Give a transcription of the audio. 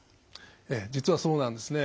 ええ実はそうなんですね。